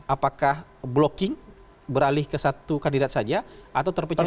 apakah blocking beralih ke satu kandidat saja atau terpecah